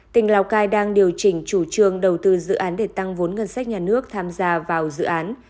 tỉnh lào cai đang điều chỉnh chủ trương đầu tư dự án để tăng vốn ngân sách nhà nước tham gia vào dự án